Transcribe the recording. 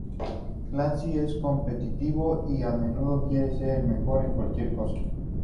Clancy es competitivo y a menudo quiere ser el mejor en cualquier cosa.